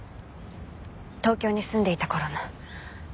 東京に住んでいた頃の。